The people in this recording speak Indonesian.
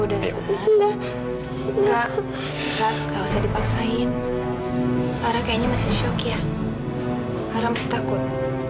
lara gak usah dipaksain lara kayaknya masih shock ya lara masih takut